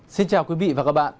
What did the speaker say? xin chào quý vị và các bạn